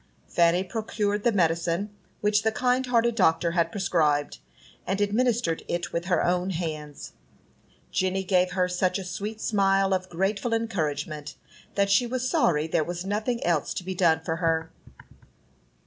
Fanny procured the medicine which the kind hearted doctor had prescribed, and administered it with her own hands. Jenny gave her such a sweet smile of grateful encouragement, that she was sorry there was nothing else to be done for her.